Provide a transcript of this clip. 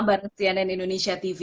bersianen indonesia tv